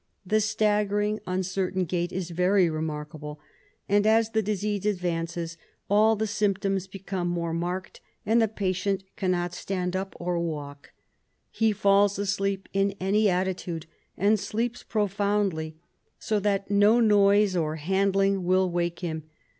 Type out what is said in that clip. The stag gering, uncertain gait is very remarkable, and as the disease advances all the symptoms become more marked, and the patient cannot stand up or walk ; he falls asleep in any attitude and sleeps profoundly, so that no noise or handling * will wake him.